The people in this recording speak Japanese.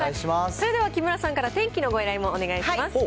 それではキムラさんから、天気のご依頼もお願いします。